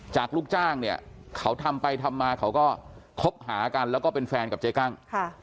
ลูกจ้างเนี่ยเขาทำไปทำมาเขาก็คบหากันแล้วก็เป็นแฟนกับเจ๊กั้ง